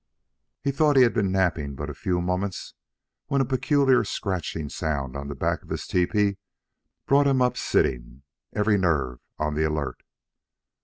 He thought he had been napping but a few moments, when a peculiar scratching sound on the back of his tepee brought him up sitting, every nerve on the alert.